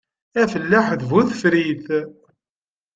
Afellaḥ d bu tefrit.